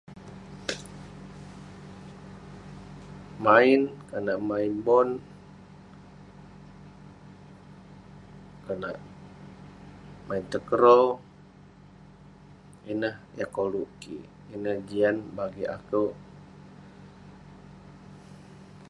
main konak main bon konak main takraw ineh yah koluk kik ineh jian bagi'k akeuk